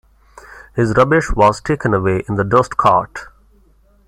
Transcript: His rubbish was taken away in the dustcart